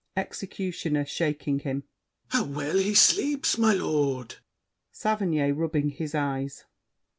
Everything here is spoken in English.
EXECUTIONER (shaking him). How well he sleeps, my lord! SAVERNY (rubbing his eyes).